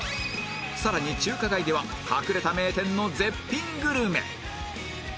さらに中華街では隠れた名店の絶品グルメ